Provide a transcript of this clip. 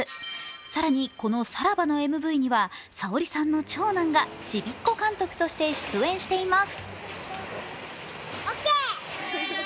更に、この「サラバ」のＭＶにはＳａｏｒｉさんの長男がちびっこ監督として出演しています。